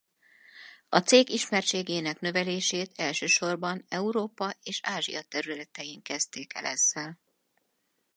A cég ismertségének növelését elsősorban Európa és Ázsia területein kezdték el ezzel.